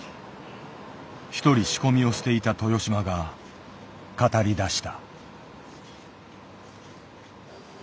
一人仕込みをしていた豊島が語りだした。